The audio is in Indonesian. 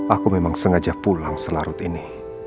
aku memang sengaja pulang selarut ini